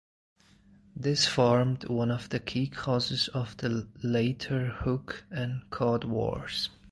This formed one of the key causes of the later Hook and Cod wars.